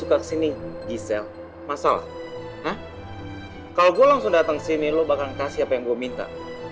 hah kalau gue langsung datang sini lo bakal kasih apa yang gue minta